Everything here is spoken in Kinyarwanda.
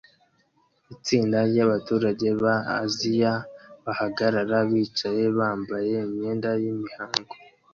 Itsinda ryabaturage ba Aziya bahagarara bicaye bambaye imyenda yimihango